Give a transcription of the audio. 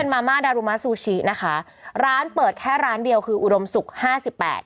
อืมอืมก็เป็นมาม่านะคะร้านเปิดแค่ร้านเดียวคืออุดมศุกร์ห้าสิบแปด